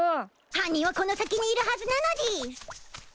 犯人はこの先にいるはずなのでぃす！